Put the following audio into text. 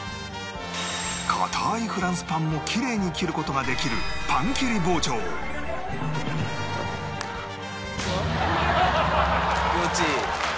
硬いフランスパンもキレイに切る事ができるパン切り包丁気持ちいい？